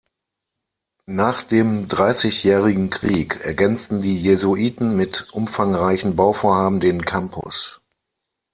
Nach dem Dreißigjährigen Krieg ergänzten die Jesuiten mit umfangreichen Bauvorhaben den Campus.